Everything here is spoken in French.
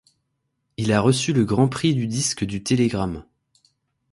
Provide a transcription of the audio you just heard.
Il a reçu le grand prix du disque du Télégramme.